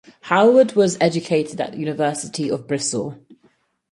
Howard was educated at the University of Bristol.